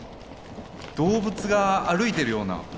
動物が歩いてるような。